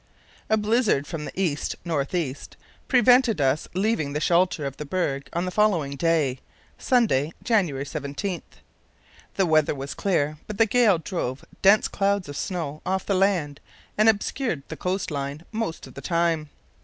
A blizzard from the east north east prevented us leaving the shelter of the berg on the following day (Sunday, January 17). The weather was clear, but the gale drove dense clouds of snow off the land and obscured the coast line most of the time.